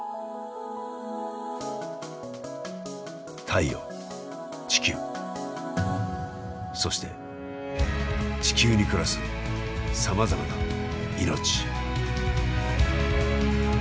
太陽地球そして地球に暮らすさまざまな命。